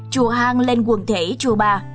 chùa hàng lên quần thủy chùa bà